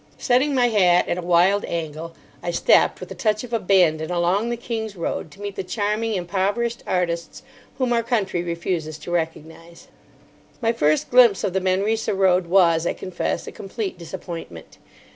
Setting my hat at a wild angle, I stepped with a touch of abandon along the King's Road to meet the charming, impoverished artists whom our country refuses to recognise. My first glimpse of the Manresa Road was, I confess, a complete disappointment.